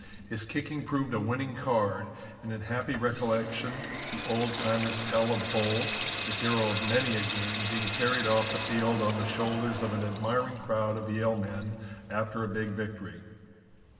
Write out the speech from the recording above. His kicking proved a winning card and in happy recollection the old timers tell of Bull, the hero of many a game, being carried off the field on the shoulders of an admiring crowd of Yale men after a big victory.